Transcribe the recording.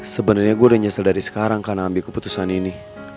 sebenarnya gue udah nyesel dari sekarang karena ambil keputusan ini